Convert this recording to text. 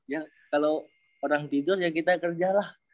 ya kalo orang tidur ya kita kerjalah